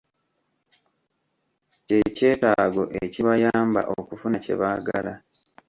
Kye kyetaago, ekibayamba okufuna kye baagala.